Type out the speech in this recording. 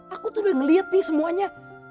aku tuh udah ngelihat pi semuanya